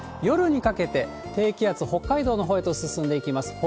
夜にかけて、低気圧、北海道のほうへと進んでいきます。